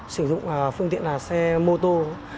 sử dụng phương tiện là xe mô tô